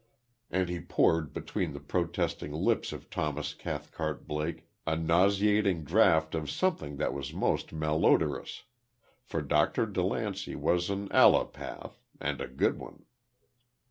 And he poured between the protesting lips of Thomas Cathcart Blake a nauseating draught of something that was most malodorous; for Dr. DeLancey was an allopath, and a good one.